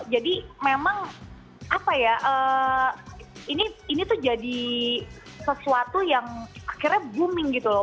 jadi memang apa ya ini tuh jadi sesuatu yang akhirnya booming gitu loh